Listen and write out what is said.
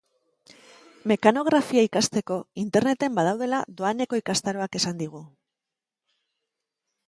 Mekanografia ikasteko Interneten badaudela doaneko ikastaroak esan digu.